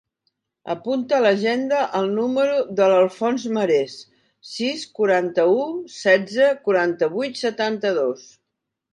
Apunta a l'agenda el número de l'Alfonso Mares: sis, quaranta-u, setze, quaranta-vuit, setanta-dos.